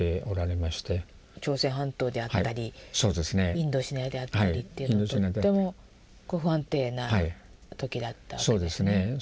朝鮮半島であったりインドシナであったりっていうのはとってもこう不安定な時だったわけですね。